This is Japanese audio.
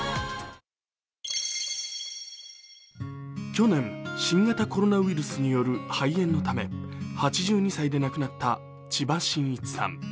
去年、新型コロナウイルスによる肺炎のため８２歳で亡くなった千葉真一さん。